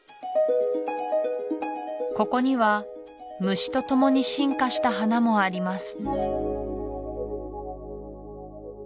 ここには虫と共に進化した花もあります